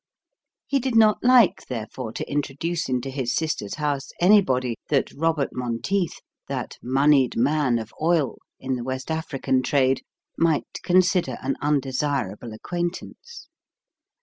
He did not like, therefore, to introduce into his sister's house anybody that Robert Monteith, that moneyed man of oil, in the West African trade, might consider an undesirable acquaintance.